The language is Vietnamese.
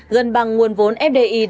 gần bằng nguồn vốn fdi